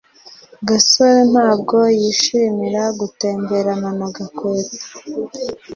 gasore ntabwo yishimira gutemberana na gakwego